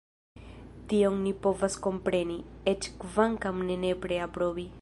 Tion ni povas kompreni, eĉ kvankam ne nepre aprobi.